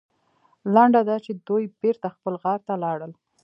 لنډه دا چې دوی بېرته خپل غار ته لاړل.